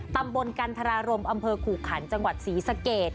ตำบลกันทรารมอำเภอขู่ขันจังหวัดศรีสะเกด